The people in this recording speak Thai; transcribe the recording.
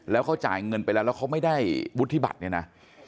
แล้วเขาจ่ายเงินไปแล้วแล้วเขาไม่ได้วุฒิบัตรเนี่ยนะ